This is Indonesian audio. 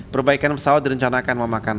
perbaikan pesawat direncanakan memakan